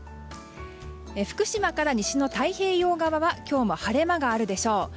福島から西の太平洋側は今日も晴れ間があるでしょう。